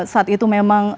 saat itu memang